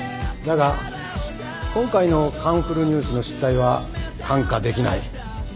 だが今回の『カンフルＮＥＷＳ』の失態は看過できない。